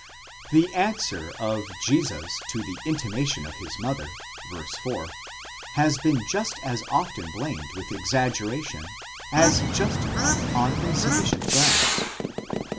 The answer of Jesus to the intimation of his mother (v. 4) has been just 85. often blamed with exaggeration 39 as justified on insufficient grounds.